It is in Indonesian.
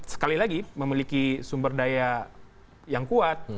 sekali lagi memiliki sumber daya yang kuat